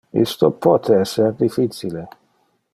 isto pote ser difficile.